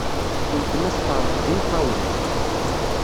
Uletma teṭṭerḍeq d imeṭṭawen.